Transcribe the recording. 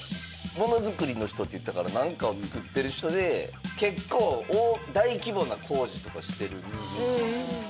モノづくりの人って言ってたからなんかを作ってる人で結構大規模な工事とかしてる。